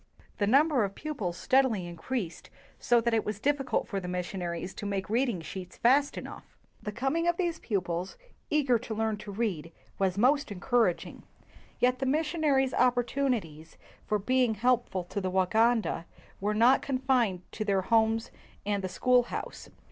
The number of pupils steadily in creased, so that it was difficult for the mis sionaries to make reading sheets fast enough. 97 WHITE MAN OF WORK The coming of these pupils, eager to learn to read, was most encouraging ; yet the mis sionaries ' opportunities for being helpful to the Waganda were not confined to their homes and the schoolhouse.